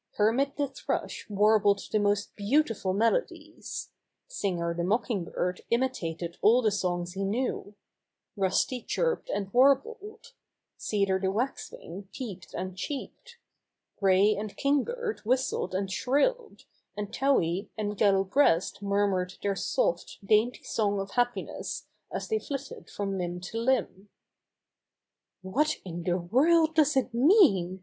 Hermit the Thrush warbled the most beautiful melodies ; Singer the Mocking Bird imitated all the songs he knew; Rusty chirped and warbled ; Cedar the Waxwing peeped and cheeped; Gray and Kingbird whistled and shrilled, and Towhee and Yellow Breast mur mured their soft, dainty song of happiness as they flitted from limb to limb. 'What in the world does it mean!"